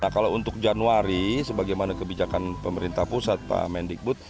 nah kalau untuk januari sebagaimana kebijakan pemerintah pusat pak mendikbud